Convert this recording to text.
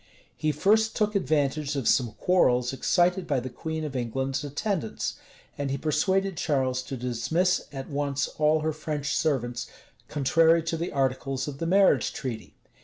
[] He first took advantage of some quarrels excited by the queen of England's attendants; and he persuaded Charles to dismiss at once all her French servants, contrary to the articles of the marriage treaty.